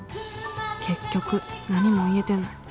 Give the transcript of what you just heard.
結局何も言えてない。